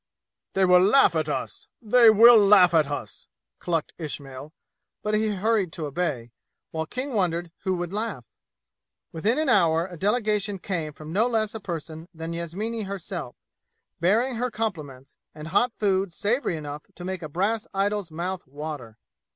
"They will laugh at us! They will laugh at us!" clucked Ismail, but he hurried to obey, while King wondered who would laugh. Within an hour a delegation came from no less a person than Yasmini herself, bearing her compliments, and hot food savory enough to make a brass idol's mouth water.